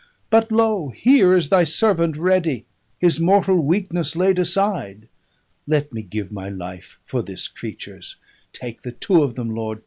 But, lo! here is Thy servant ready, his mortal weakness laid aside. Let me give my life for this creature's; take the two of them, Lord!